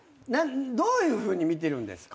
どういうふうに見てるんですか？